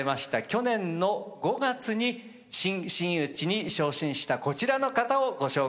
去年の５月に新真打に昇進したこちらの方をご紹介しましょう。